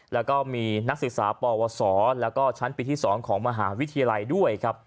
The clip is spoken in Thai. และมีนักศึกษาพวสและชั้นปีที่๒ของมหาวิทยาลัยด้วย